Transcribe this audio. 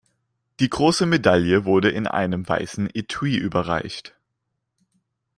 Die große Medaille wurde in einem weißen Etui überreicht.